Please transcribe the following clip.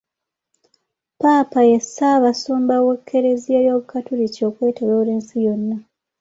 Ppaapa ye ssaabasumba w'ekereziya y'obukatoliki okwetooloola ensi yonna.